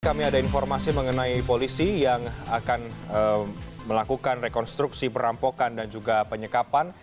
kami ada informasi mengenai polisi yang akan melakukan rekonstruksi perampokan dan juga penyekapan